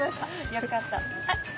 よかったら。